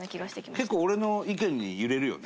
結構、俺の意見に揺れるよね？